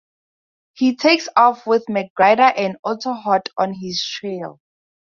He takes off, with MacGruder and Otto hot on his trail.